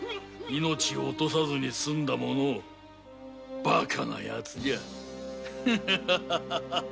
命を落とさずに済んだものをバカなヤツだ。